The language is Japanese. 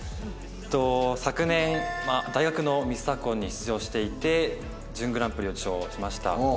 昨年大学のミスターコンに出場していて準グランプリを受賞しました。